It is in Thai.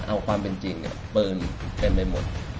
เอาความเป็นจริงเนี่ยเปินเป็นไปหมด